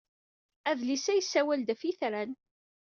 Adlis-a yessawal-d ɣef yetran.